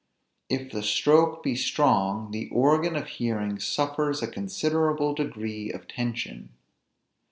If the stroke be strong, the organ of hearing suffers a considerable degree of tension.